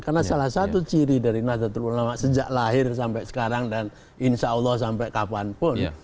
karena salah satu ciri dari nahdlatul ulama sejak lahir sampai sekarang dan insya allah sampai kapanpun